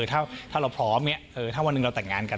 ถ้าเราพร้อมถ้าวันหนึ่งเราแต่งงานกัน